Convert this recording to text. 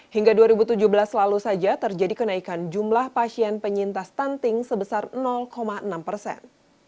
hingga dua ribu tujuh belas lalu saja terjadi kenaikan jumlah pasien penyintas stunting sebesar enam persen